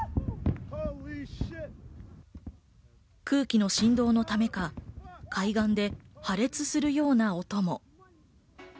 空気の振動のためか海岸で破裂するような音も。